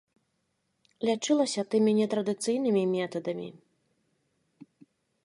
Лячылася тымі нетрадыцыйнымі метадамі.